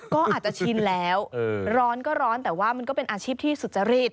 ก็อาจจะชินแล้วร้อนก็ร้อนแต่ว่ามันก็เป็นอาชีพที่สุจริต